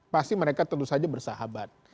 pasti mereka tentu saja bersahabat